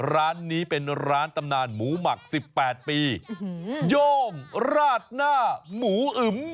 ร้านนี้เป็นร้านตำนานหมูหมัก๑๘ปีโย่งราดหน้าหมูอึม